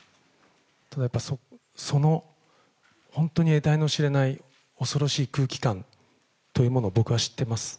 ただやっぱりその本当にえたいの知れない恐ろしい空気感というものを僕は知ってます。